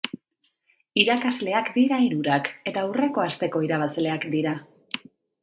Irakasleak dira hirurak, eta aurreko asteko irabazleak dira.